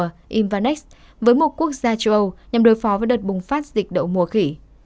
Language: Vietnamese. công ty này đã ký hợp đồng cung cấp vaccine đậu mùa với một quốc gia châu âu nhằm đối phó với đợt bùng phát dịch đậu mùa khỉ